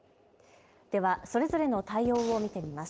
では、それぞれの対応を見てみます。